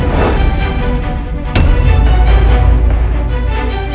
udah jangan ribut